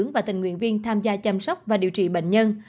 và tình nguyện viên tham gia chăm sóc và điều trị bệnh nhân